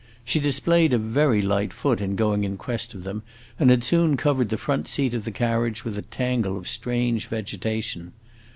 She displayed a very light foot in going in quest of them, and had soon covered the front seat of the carriage with a tangle of strange vegetation.